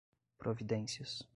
providências